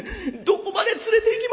どこまで連れていき